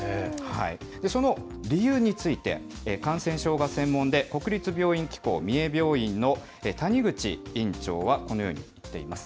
その理由について、感染症が専門で、国立病院機構三重病院の谷口院長は、このように話しています。